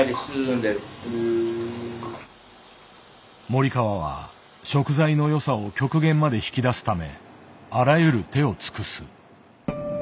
森川は食材の良さを極限まで引き出すためあらゆる手を尽くす。